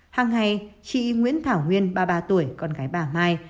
hàng ngày chị nguyễn thảo nguyên ba mươi ba tuổi con gái bà mai